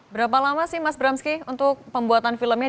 berapa lama sih mas bramski untuk pembuatan filmnya